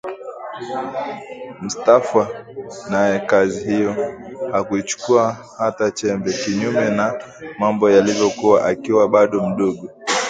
Mustafa naye kazi hiyo hakuichukua hata chembe, kinyume na mambo yalivyokuwa akiwa bado mdogo